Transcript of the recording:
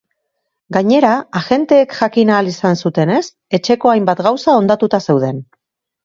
Gainera, agenteek jakin ahal izan zutenez, etxeko hainbat gauza hondatuta zeuden.